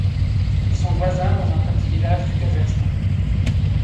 Ils sont voisins dans un petit village du Kazakhstan.